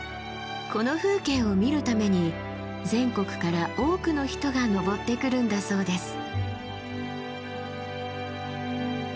この風景を見るために全国から多くの人が登ってくるんだそうです。